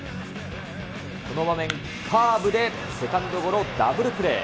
その場面、カーブでセカンドゴロ、ダブルプレー。